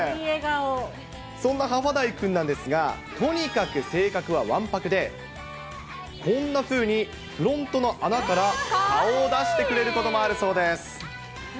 そんなハファダイくんなんですが、とにかく性格はわんぱくで、こんなふうにフロントの穴から顔を出してくれることもあるそうです。